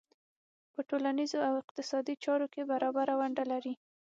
په ټولنیزو او اقتصادي چارو کې برابره ونډه لري.